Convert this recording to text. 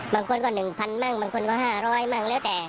บางคนก็๑๐๐๐บาทบางคนก็๕๐๐บาทแล้วแต่